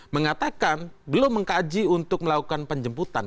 mengatakan belum mengkaji untuk melakukan penjemputan